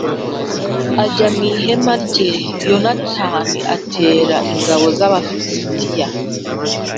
ajya mu ihema rye Yonatani atera ingabo a z Aba lisitiya b